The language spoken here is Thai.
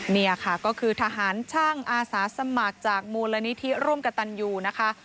นี่ค่ะก็คือทหารช่างอาสาสมัครจากมูลนิธิร่วมกับตันยูนะคะ